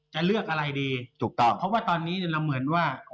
จะเลือกอะไรดีถูกต้องเพราะว่าตอนนี้เราเหมือนว่า